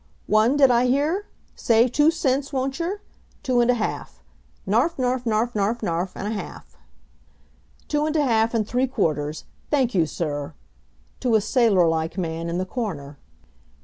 One, did I hear? Say two cents, wont yer? Two and a half! narfnarfnarfnarfnarf and a half! Two and a half, and three quarters. Thank you, Sir," to a sailor like man in the corner.